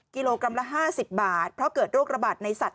กิโลกรัมละ๕๐บาทเพราะเกิดโรคระบาดในสัตว